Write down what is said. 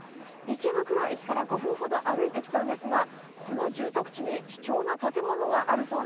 池袋駅から５分ほど歩いてきたんですがこの住宅地に貴重な建物があるそうなんです。